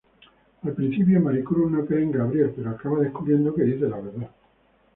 Al principio, Maricruz no cree a Gabriel pero acaba descubriendo que dice la verdad.